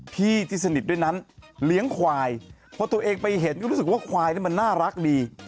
ที่ที่สนิทด้วยนั้นเลี้ยงควายพอตัวเองไปเห็นก็รู้สึกว่าควายมันน่ารักดี